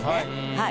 はい。